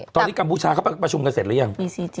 ตอนนี้กัมพูชาเขาประชุมกันเสร็จหรือยัง